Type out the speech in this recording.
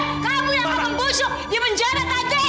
aku tidak akan tinggal diam kamu yang akan membusuk di penjara taji